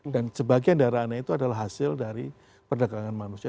dan sebagian daerah anak itu adalah hasil dari perdagangan manusia